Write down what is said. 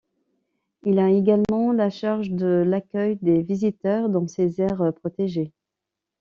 Il a également la charge de l'accueil des visiteurs dans ces aires protégées.